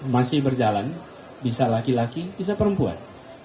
masih berjalan bisa laki laki bisa perempuan